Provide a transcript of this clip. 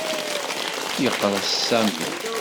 Yeqres Sami.